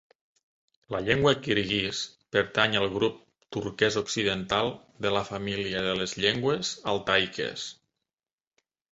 La llengua kirguís pertany al grup turquès occidental de la família de les llengües altaiques.